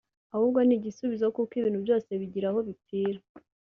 ahubwo ni igisubizo kuko ibintu byose bigira aho bipfira